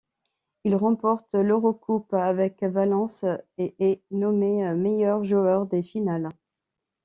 Il remporte l'EuroCoupe avec Valence et est nommé meilleur joueur des finales.